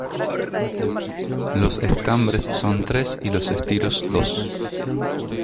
Los estambres son tres, y los estilos dos.